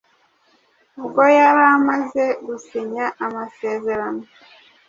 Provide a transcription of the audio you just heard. ubwo yari amaze gusinya amasezerano